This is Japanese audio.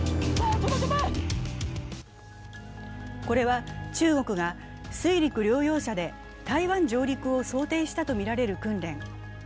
これは中国が水陸両用車で台湾上陸を想定したとみられる訓練。